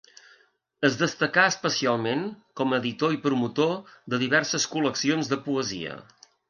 Es destacà especialment com a editor i promotor de diverses col·leccions de poesia.